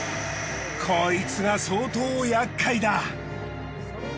コイツが相当やっかいだ。